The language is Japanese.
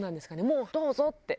もう「どうぞ」って。